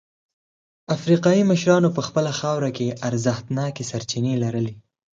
افریقايي مشرانو په خپله خاوره کې ارزښتناکې سرچینې لرلې.